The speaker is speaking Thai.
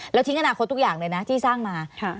แล้วทิ้งอนาคตทุกอย่างเลยนะที่สร้างมา